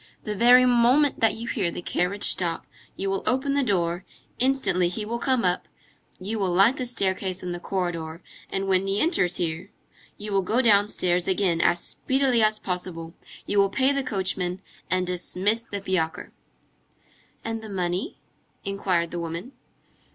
The very moment that you hear the carriage stop, you will open the door, instantly, he will come up, you will light the staircase and the corridor, and when he enters here, you will go downstairs again as speedily as possible, you will pay the coachman, and dismiss the fiacre." "And the money?" inquired the woman.